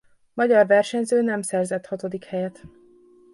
Magyar versenyző nem szerzett hatodik helyet.